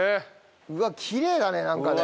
うわっきれいだねなんかね。